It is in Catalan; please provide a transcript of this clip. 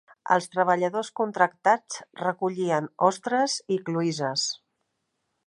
Els treballadors contractats recollien ostres i cloïsses.